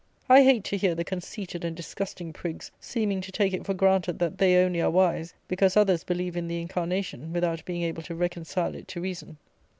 I hate to hear the conceited and disgusting prigs, seeming to take it for granted, that they only are wise, because others believe in the incarnation, without being able to reconcile it to reason.